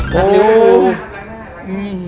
นัดริ้ว